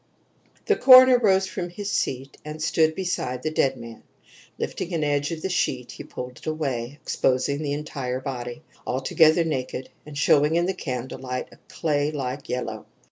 III The coroner rose from his seat and stood beside the dead man. Lifting an edge of the sheet he pulled it away, exposing the entire body, altogether naked and showing in the candle light a clay like yellow.